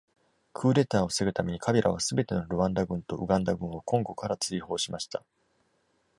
クーデターを防ぐために、カビラはすべてのルワンダ軍とウガンダ軍をコンゴから追放しました。